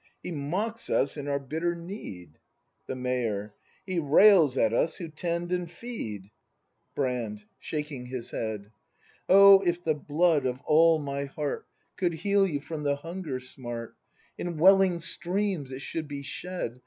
] He mocks us in our bitter need ! The Mayor. He rails at us who tend and feed! 60 BRAND [ACT ii Brand. [Shaking his head.] Oh, if the blood of all my heart Could heal you from the hunger smart, In welling streams it should be shed.